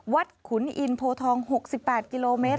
ขุนอินโพทอง๖๘กิโลเมตร